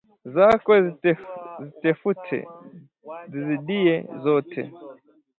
Zakwe zitefute zizidiye zote